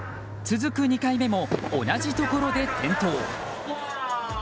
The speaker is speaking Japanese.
続く２回目も同じところで転倒。